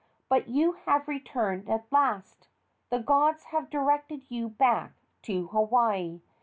But you have returned at last. The gods have directed you back to Hawaii.